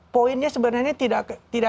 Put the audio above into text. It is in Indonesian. poinnya sebenarnya tidak